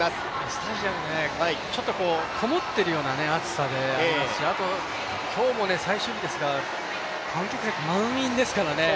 スタジアム、ちょっとこもっているような暑さでありますし、あと今日も最終日ですが観客が満員ですからね。